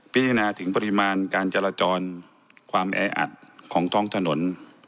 พิจารณาถึงปริมาณการจราจรความแออัดของท้องถนน